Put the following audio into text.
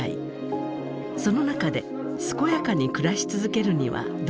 その中で健やかに暮らし続けるにはどうすればいいのか。